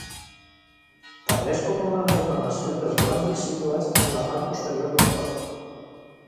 També és comuna la inflamació dels ganglis situats en la part posterior del coll.